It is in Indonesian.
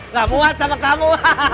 nggak muat sama kamu